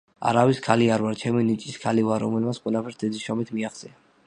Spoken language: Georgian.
არავის ქალი არ ვარ, ჩემი ნიჭის ქალი ვარ, რომელმაც ყველაფერს დიდი შრომით მიაღწია.